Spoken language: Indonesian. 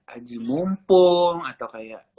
haji mumpung atau kayak